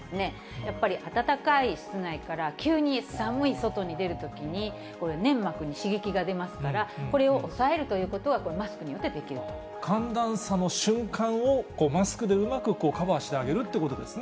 やっぱり暖かい室内から急に寒い外に出るときに、これ、粘膜に刺激が出ますから、これを抑えるということは、これ、寒暖差の瞬間をマスクでうまくカバーしてあげるということですね。